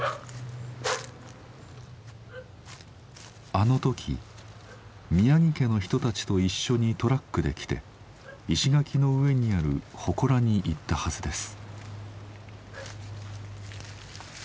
あの時宮城家の人たちと一緒にトラックで来て石垣の上にある祠に行ったはずです。